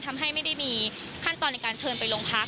ไม่ได้มีขั้นตอนในการเชิญไปโรงพัก